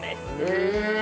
へえ。